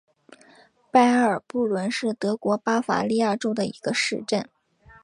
拜埃尔布伦是德国巴伐利亚州的一个市镇。